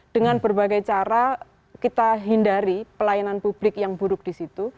dengan berbagai cara kita hindari pelayanan publik yang buruk di situ